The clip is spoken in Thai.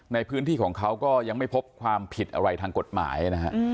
ในพื้นที่ของเขาก็ยังไม่พบความผิดอะไรทางกฎหมายนะฮะ